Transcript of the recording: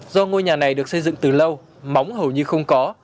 do ngôi nhà này được xây dựng từ lâu móng hầu như không có